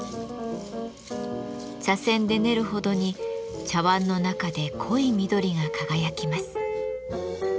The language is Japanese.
茶せんで練るほどに茶わんの中で濃い緑が輝きます。